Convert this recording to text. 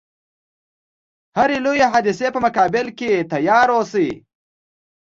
هري لويي حادثې په مقابل کې تیار و اوسي.